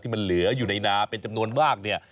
มันเหลืออยู่ในนาเป็นจำนวนมากเนี่ย